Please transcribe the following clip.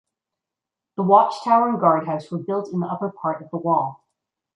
The watchtower and guard house were built in the upper part of the wall.